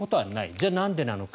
じゃあ、なんでなのか。